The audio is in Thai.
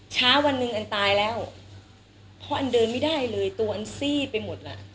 ช้าวันนึงอันตายแล้วพออันเดินไม่ได้เลยตัวนั้นซีดไปหมดละ